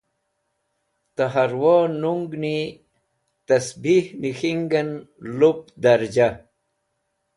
ta harwo nungni tasbih nik̃hing'en lup darja